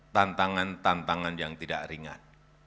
tantangan tantangan yang tidak ringan